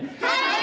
はい。